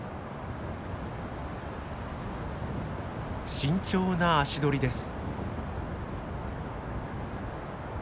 慎重な足取りです。